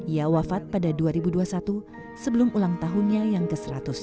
ia wafat pada dua ribu dua puluh satu sebelum ulang tahunnya yang ke seratus